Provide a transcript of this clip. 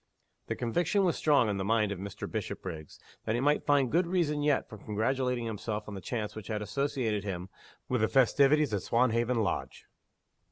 The conviction was strong in the mind of Mr. Bishopriggs that he might find good reason yet for congratulating himself on the chance which had associated him with the festivities at Swanhaven Lodge.